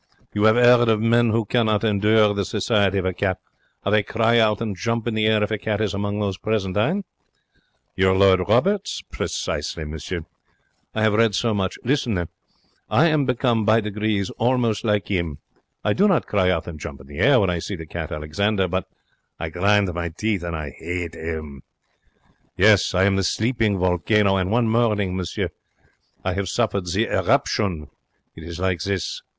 You have 'eard of men who cannot endure the society of a cat how they cry out and jump in the air if a cat is among those present. Hein? Your Lord Roberts? Precisely, monsieur. I have read so much. Listen, then. I am become by degrees almost like 'im. I do not cry out and jump in the air when I see the cat Alexander, but I grind my teeth and I 'ate 'im. Yes, I am the sleeping volcano, and one morning, monsieur, I have suffered the eruption. It is like this.